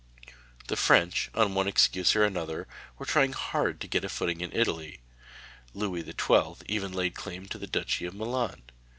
The French, on one excuse or another, were trying hard to get a footing in Italy; Louis XII. even laid claim to the Duchy of Milan.